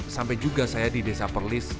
sampai juga saya di desa perlis